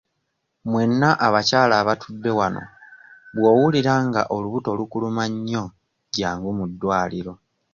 Mwenna abakyala abatudde wano bw'owulira nga olubuto lukuluma nnyo jjangu mu ddwaliro.